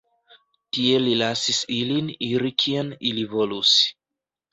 Tie li lasis ilin iri kien ili volus.